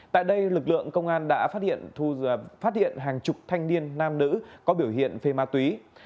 tại đây lực lượng công an đã phát hiện hàng chục thanh niên nam nữ có biểu hiện phê ma túy